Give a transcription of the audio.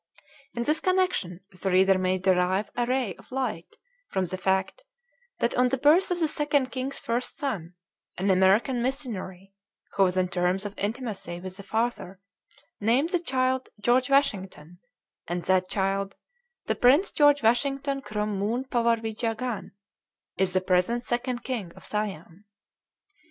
In this connection the reader may derive a ray of light from the fact that on the birth of the Second King's first son, an American missionary, who was on terms of intimacy with the father, named the child "George Washington"; and that child, the Prince George Washington Krom Mu'n Pawarwijagan, is the present Second King of Siam.